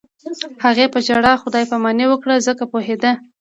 هغې په ژړا خدای پاماني وکړه ځکه پوهېده